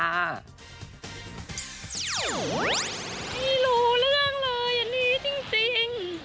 ไม่รู้เรื่องเลยอันนี้จริง